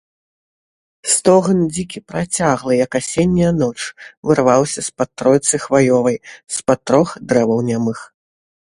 Стогн дзікі, працяглы, як асенняя ноч, вырываўся з-пад тройцы хваёвай, з-пад трох дрэваў нямых.